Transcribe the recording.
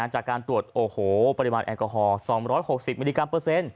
จากการตรวจโอ้โหปริมาณแอลกอฮอล๒๖๐มิลลิกรัมเปอร์เซ็นต์